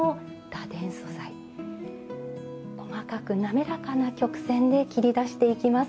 細かく滑らかな曲線で切り出していきます。